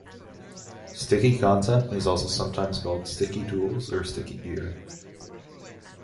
Sticky content is also sometimes called sticky tools or sticky gear.